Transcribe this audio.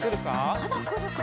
まだくるか？